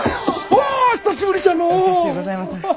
お久しゅうございます。